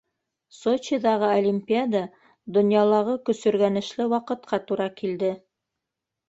Сочиҙағы олимпиада донъялағы көсөргәнешле ваҡытҡа тура килде.